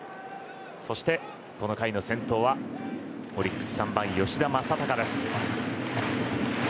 そしてこの回の先頭はオリックス３番、吉田正尚です。